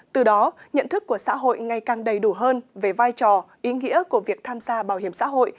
từ đó nhận thức của xã hội ngày càng đầy đủ hơn về vai trò ý nghĩa của việc tham gia bảo hiểm xã hội